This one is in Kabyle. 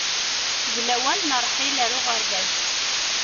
D lawan n ṛṛḥil ar uɣerbaz.